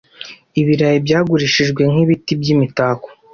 Ibirayi byagurishijwe nk'ibiti by'imitako